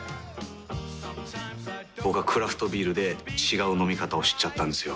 僕はクラフトビールで違う飲み方を知っちゃったんですよ。